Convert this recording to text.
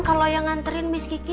kalau yang nganterin mis kiki